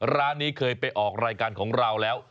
ร้านนี้เคยไปออกรายการของเราแล้ว